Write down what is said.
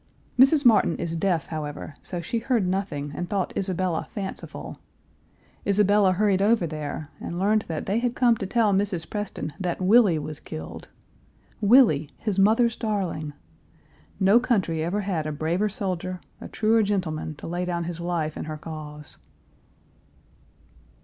Mrs. Martin is deaf, however, so she heard nothing and thought Isabella fanciful. Isabella hurried over there, and learned that they had come to tell Mrs. Preston that Willie was killed Willie! his mother's darling. No country ever had a braver soldier, a truer gentleman, to lay down his life in her cause.